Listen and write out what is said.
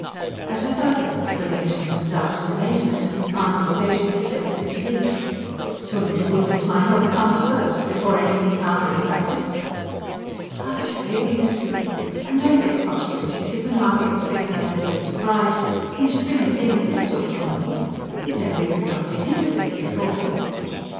At her further exclamations of doubt and amazement, Mahony's patience slipped its leash. "Surely to goodness my health comes first ... before any confounded practice?" "Ssh! Baby's asleep. And don't get cross, Richard. You can hardly expect me not to be surprised when you spring a thing of this sort on me. You've never even dropped a hint of it before."